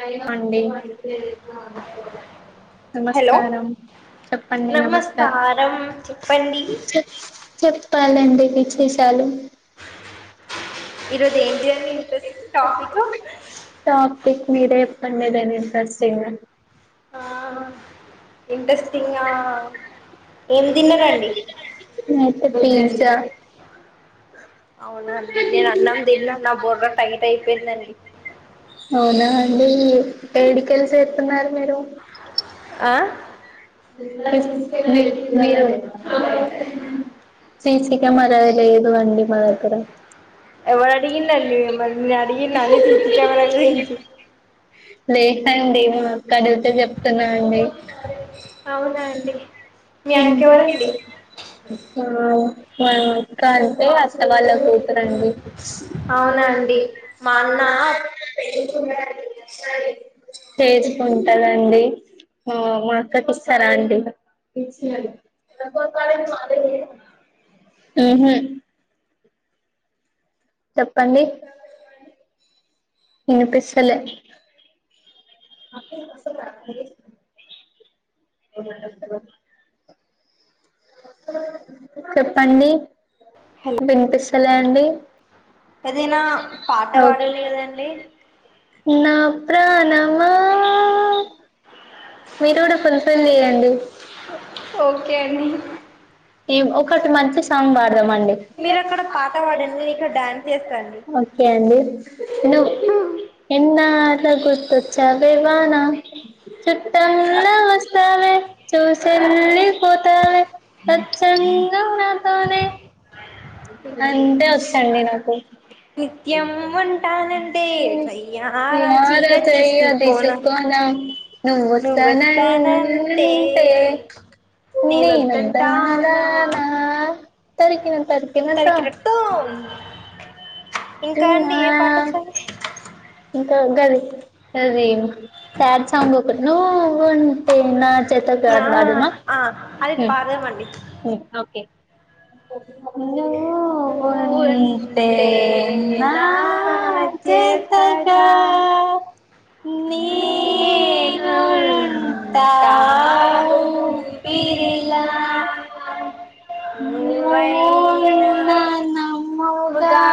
[unintelligible] నమస్కారం చెప్పండి నమస్కారం చెప్ చెప్ ప్పాలండి వీచేశాలు ఈరోజు ఏంది చెయ్యాలి ఇంట్రెస్టింగ్ టాపిక్ మీరే చెప్పండి ఏదైనా ఇంట్రెస్టింగ్ ఏం తిన్నారు అండి నేను అయితే పిజ్జా అవునండి నేను అన్నాం తిన్న నా బుర్ర టైట్ అయిపోయిందండి అవునా అండి ఏడికి వెళ్లి చేస్తున్నారు మీరు ఆ [unintelligible] సీసీ కెమెరా లేదు అండి మా దగ్గర [unintelligible] లేదండి మా అక్క అడుగుతే చెప్తున్నా అండి అవునా అండి మీ అక్క ఎవరో [unintelligible] ఆ [unintelligible] ఎ వాస్తవాళ్ళ పోతారండి [unintelligible] తేజు కు ఉంటందండి ఉ మా అక్కకి ఇస్ సరే అండి ఇక ఉహు చెప్పండి వినిపిస్తలే అఖిల్ అసలు రాధ అండి ఈ పొద్దు వస్తారు చెప్పండి వినిపిస్తలే అండి ఏదైనా పాట పాడండి కదండి నా ప్రాణమా మీరు కూడా ఫుల్ ప్రీల్ చేయండి ఓకే అండి ఈ ఒకటి మంచి సాంగ్ పాడదాం అండి ఓకే అండి నువ్ ఎన్న ఎన్నాలకు గుర్తువచ్చావే వాన చుట్టంల వస్తావే చూసి వెళ్ళిపోతావే అచ్చంగా నా తొనే అంతే వచ్చు అండి నాకు నిత్యం ఉంటానంటే సయ్యరా చీర తీసుకోనా నం నువ్వొస్తానంటే నీ వద్దదనా తరికిన తరికిన తరికిన తోం ఇంక అండి ఏ పాట వచ్చు అండి ఇంక గాది అది సాడ్ సాంగ్ ఒకటి నువ్ ఉంటే నా జతగా అది పాడనా ఊ ఉ ఓకే నువ్వంటే టే నా జతగా నీలో నేను ఉంటా ఉపిరిగా [unintelligible] గురువైనా ఉగా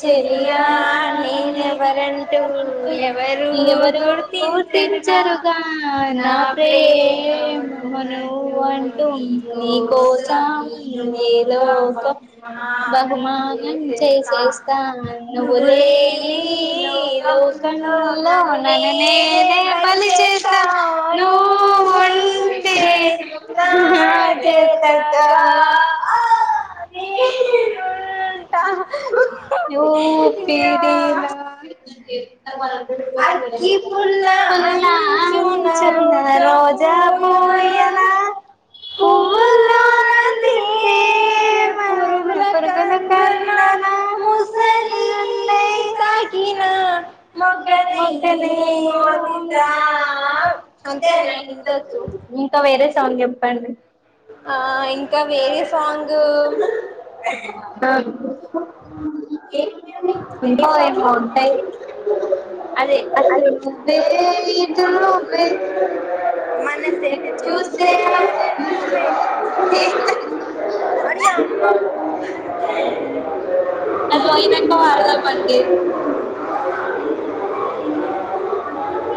చెలియా [inaudible] ఎవరు గూర్తించరుగా నా ప్రేమను అంటూ నీ కోసం నీ లోకం బహుమా నం చేసేస్తా నువ్వులేనీ ఈ లోకంలో లో నన్ను నేనె బలి చేస్తా నువ్ ఉంటే [unintelligible] [unintelligible] ఊ ఊపిరిలా [inaudible] పిల్ల ఉంచన రోజా పూ ప్రియనా పువ్వుల్లో అందించే ప్రేమ పరుగున ఉన్నదిరో తనహోజ్ చలీ తాకినా మొగ్గ నై ఒదిగ అంతే అండి నాకు ఇంతే వచ్చు ఇంక వేరే సాంగ్ చెప్పండి ఆ ఇంకా వేరే సాంగ్ ఇంకా ఎమో ఉంటాయి అదే అటు నువ్వె ఇటు నువ్వే ఎటు చు చూస్తే అటు నువ్వే ఓడియమ్మ బంటి ఇదంట పాడదాం అండి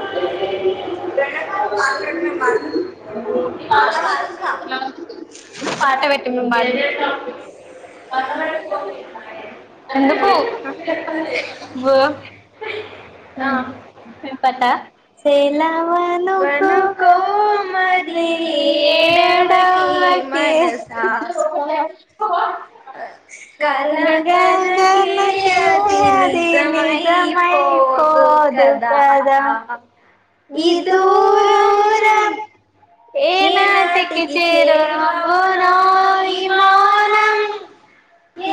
[unintelligible] పాట పెట్టిండు మళ్ల [unintelligible] ఎందుకు బో ఉ పెట్ట సెలవనుకో మరి యేడవకే మానస పాబు నాకే గంగ గంగ మదియె అది నిజమైపో అవుదు కదా ఈ దూరం ఏనాటికి చేరు నవ్వునో ఈ మౌనం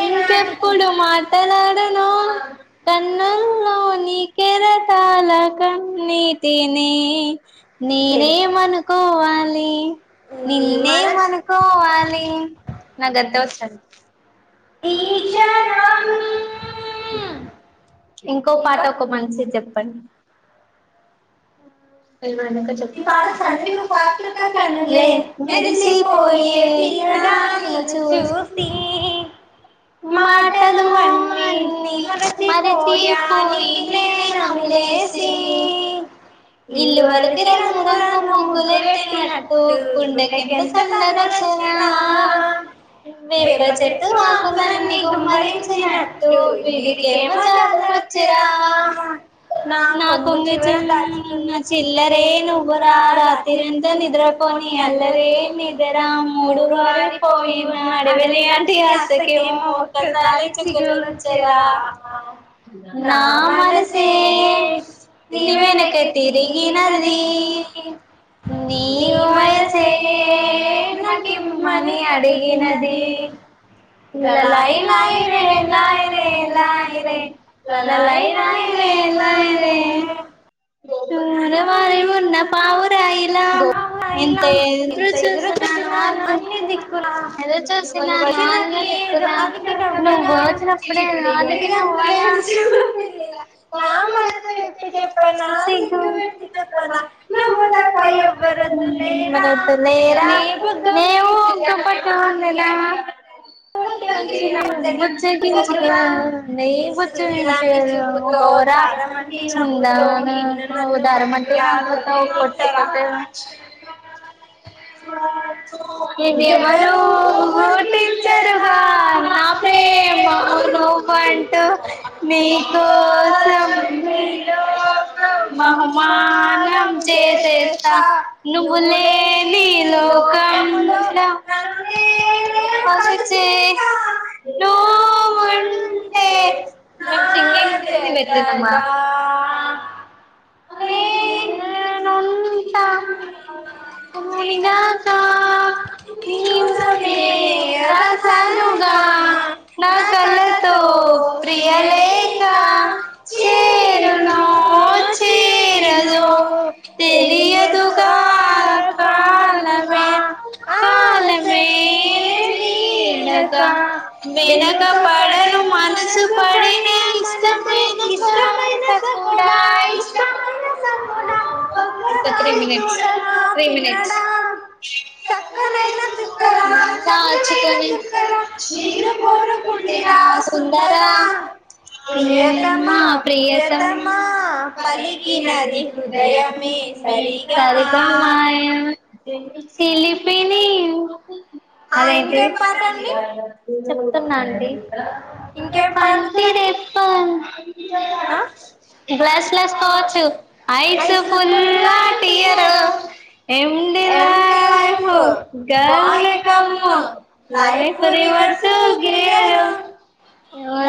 ఇంకెప్పుడు మాట్లాడునో కన్నుల్లో నీకే రరు తాలకన్ని తిని నినేమనుకోవాలి నిన్నేమనుకోవాలి నాకు గంతే వచ్చు అన్ [unintelligible] ఇంకో పాట ఒక మంచిది చెప్పండి వీళ్ళు వొయినంకా చెప్పుతా మెరిసి పోయేనే ఈర ఆ పిల్లా చూసి మాటల్ ము అన్నీ మరచిపోయా నిలే నమిలేసి ఇల్లు వాల్ కి రంగు రంగు ముగ్గులు పెట్టినట్టు గుండె కు ఎంత సందడి వచ్చేనా వేప చెట్టు ఆకు కొమ్మరి మీకు మరించినట్టు వీడి కేమో జాతర వచ్చేరా నాన్న కొంగు చు ఉన్న చిల్లరా నువురా రాత్రిర అంతా నిద్ర పో పోనీ అల్లరే నిదరా మూడు వారి పోయిన అడవిలి లాంటి ఆసకే ఒకసారి చిగురు వచ్చే రా నా మనసే ఏ నివేనకే తిరిగినది నీ వయసేనాకు ఇమ్మని అడిగినది లలయి లయి రే లయి రే లయి రేలలయి లయి రే రే లయిరే తర వారి ఉన్నా పావు రాయిలా గో అవు రాయిలా ఎంత ఎదురు చూసినాను అన్ని దిక్కుల నువ్ వచ్చినట్టు తేదు అలికి నవ్వగా చిట్టి గుండె గంతు లేదు చెవుల పిల్లిలా నా మనసు విప్పి చెప్పనా సిగ్గు విడిచి చెప్పనా నువ్వు తప్ప పై ఎవ్వరు వద్దు లేరా నీ బుగ్గ గా పట్టు వన్నెదా బుజ్జగించి రా నే బుజ్జగించి రా పోరా ఉకించుకుందాం ఉందా ఉదహరణమంటే పపోతే పొథెహోచ్ నేను ఎవ్వరో ఓటివు తరువా నా ప్రేమ నో పాయింట్ నీ కోసం నీ కోసం మహుమానం చే చేస్త నువ్ లే లి లోకంలో నాను వీడి గడిచే నువ్వు ఉంటే మీ సింగింగ్ చూసి నేను వెళ్ళనమ్మ ఒకటి నే నో [unintelligible] నేను రాసానుగా నా కళ్ళతో ప్రియలేక తా చెర నో చరదో తెలియదు ఆ నా కాల్ లమే కాలమే వీడగా మే వెనుక పడను మనసు పడిన మనసే ఇష్టమైన సకూడా అయి త్రీ మనిట్స్ త్రీ మనిట్స్ చక్కనైైన చుక్కరా చక్కనైైన చుక్కరా నిన్ను కోరు కుందిర ఆ సుందరా [unintelligible] ప్రియతమా హరికి హరి దయాకర్ [unintelligible] తరకామ్ మాయ శిలిపిని [unintelligible] అదయితే చెప్తున్నా అండి ప [unintelligible] గ్లాస్లాస్ కాదు ఐసు బుల్లా టియరు ఎండి వైఫూ గార్లే కన్ను life reverse gear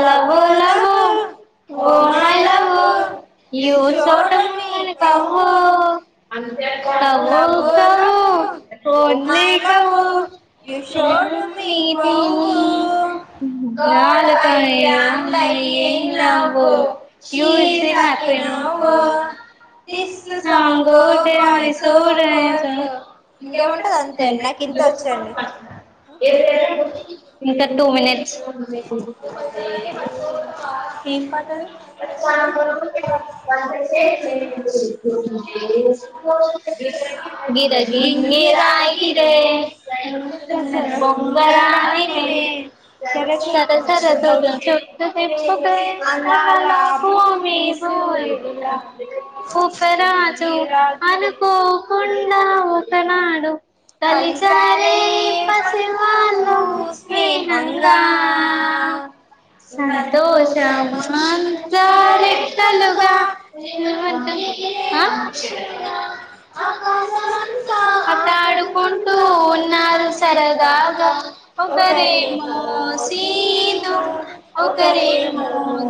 love love oh my love యోసతకవ్వో [unintelligible] ఓనీకవో [unintelligible] గాలికి నైన్ నైయ్యే నువ్వు ఎంకోన దిస్సు సాంగు బాయసో ఫోర్సూ ఇంకేం ఉంటది అంతే ఇంతే వచ్చేయండి అ ఇంకా టూ మినిట్స్ ఏం పాట అది గిరగి గింగిరాయినే జరుగుతున్నది బొంగా రాయినే సాలా సరా ద పో [unintelligible] ఓక్కరాజు అనుకో కొండా [unintelligible] తనాడు తలిచారే పేపమ్మ పూసే కొండ సంతోషం మాట్లాడే రెట్టలుగా ఆ ఆటాడుకుంటు రాదు సరగాగా ఒక రే మోసీను ఒక ఒకరేమొ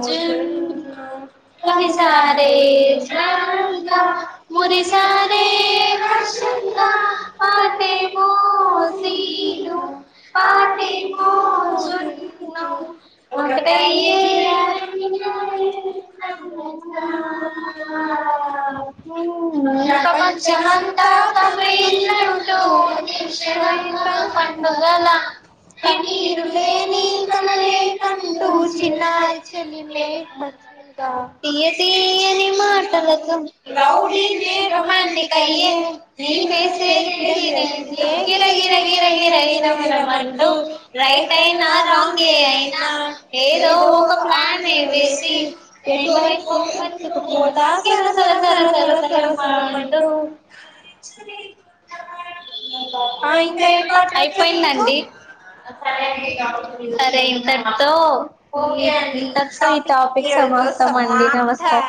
జున్ ప్రతిసారి గంగా మురిసానే వర్షంగా పాటేమో ఇయ్యదు [unintelligible] ఈరోజే గంగా పవ్వు [unintelligible] జలంగా పండుగల కన్నీరులేని కలలే కంటు చిన్నారి చలిమే [unintelligible] తీయనీ మాటలతో రౌడీ కే రోమాన్స్ కయ్యను నేనేం రైట్ అయినా రాంగ్ ఏ అయినా ఏదో ఒక ప్లానే వేసి సర సర మాటు అయిపోయిందండి సరే ఇంతటి తో ఈ టాపిక్ సమాప్తం అండి నమస్తే